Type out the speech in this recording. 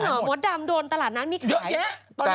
จริงเหรอหมดดำโดนตลาดนัดมีขาย